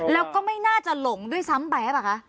แล้วก็ไม่น่าจะหลงด้วยซ้ำไปใช่ไหมคะ